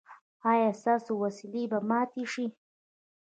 ایا ستاسو وسلې به ماتې شي؟